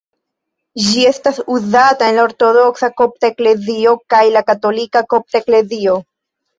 Ĝi estas uzata en la Ortodoksa Kopta Eklezio kaj en la Katolika Kopta Eklezio.